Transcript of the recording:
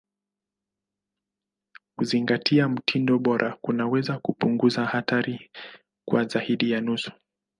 Kuzingatia mtindo bora kunaweza kupunguza hatari kwa zaidi ya nusu.